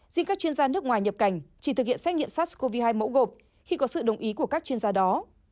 riêng các chuyên gia nước ngoài nhập cảnh chỉ thực hiện xét nghiệm sars cov hai mẫu gộp khi có sự đồng ý của các chuyên gia đó